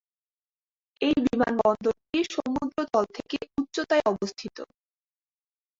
এই বিমান বিমানবন্দরটি সমুদ্রতল থেকে উচ্চতায় অবস্থিত।